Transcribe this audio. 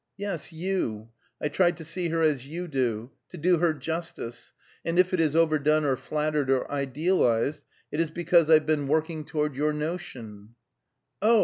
"Yes, you. I tried to see her as you do; to do her justice, and if it is overdone, or flattered, or idealized, it is because I've been working toward your notion " "Oh!"